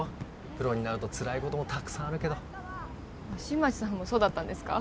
プロになるとつらいこともたくさんあるけど新町さんもそうだったんですか？